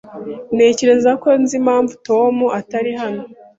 Ntekereza ko nzi impamvu Tom atari hano.